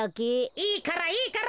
いいからいいから。